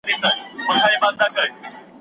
روښانه فکر شخړه نه راوړي.